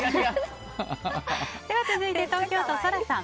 続いて、東京都の方。